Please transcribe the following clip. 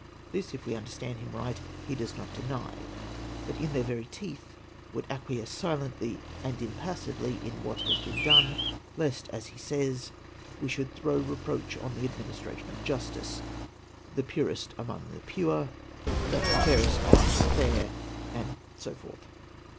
This, if we understand him right, he does not deny, but in their very teeth would acquiesce silently and imjjassively in what has been done, lest, as he says, ive shuidd tltroiv veproaclc oit tJce administration of justice — "the purest among the pure,'' — the " fairest among the fair," and so forth.